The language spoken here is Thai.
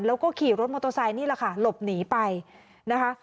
แล้วก็ขี่รถมอเตอร์ไซค์นี่แหละค่ะหลบหนีไปนะคะ